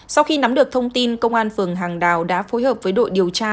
sau khi nắm được thông tin công an phường hàng đào đã phối hợp với đội điều tra